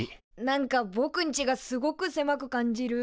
なんかぼくんちがすごくせまく感じる。